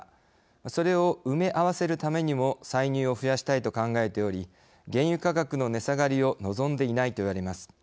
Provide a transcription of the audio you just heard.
それを埋め合わせるためにも歳入を増やしたいと考えており原油価格の値下がりを望んでいないといわれます。